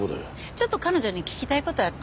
ちょっと彼女に聞きたい事あって。